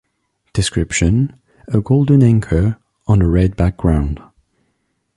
Description: A golden anchor on a red background.